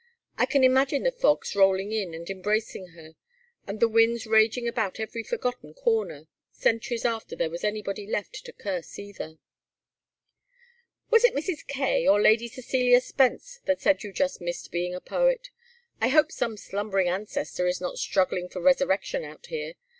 I can imagine the fogs rolling in and embracing her, and the winds raging about every forgotten corner, centuries after there was anybody left to curse either." "Was it Mrs. Kaye or Lady Cecilia Spence that said you just missed being a poet? I hope some slumbering ancestor is not struggling for resurrection out here.